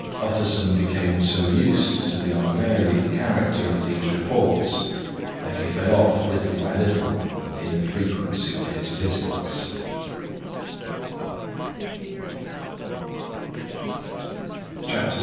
Utterson became so used to the unvarying character of these reports, that he fell off little by little in the frequency of his visits.